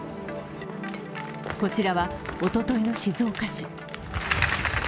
こちらは、おとといの静岡市。